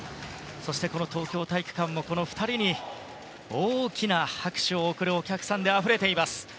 そして、この東京体育館もこの２人に大きな拍手を送るお客さんであふれています。